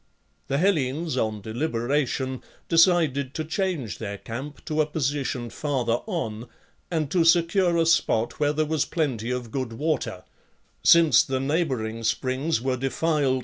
The Hellenes, on deliberation, decided to change their camp to a position farther on, and to secure a spot where there was plenty of good water, since the neighbouring springs were defiled.